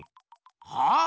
はあ？